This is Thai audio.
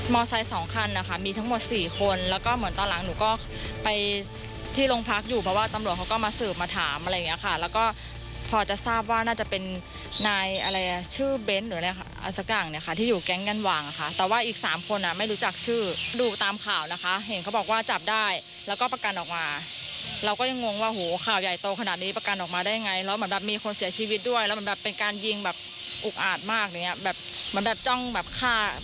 ไม่งงว่าข่าวย่ายโตขนาดนี้ปรากฎออกมาได้ไงแล้วมีคนเสียชีวิตด้วยแล้วมันเป็นการยิงอุกอาดมาก